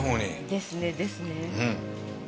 ですねですね。